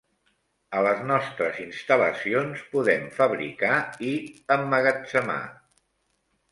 A les nostres instal·lacions podem fabricar i emmagatzemar.